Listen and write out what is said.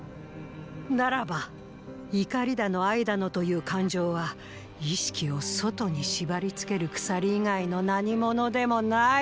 ならば怒りだの愛だのという感情は意識を外に縛りつける鎖以外の何物でもない。